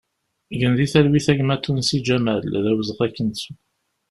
Gen di talwit a gma Tunsi Ǧamal, d awezɣi ad k-nettu!